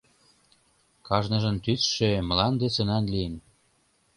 Кажныжын тӱсшӧ мланде сынан лийын.